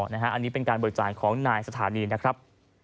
อันนี้เป็นการเบิกจ่ายของนายสถานีนะครับ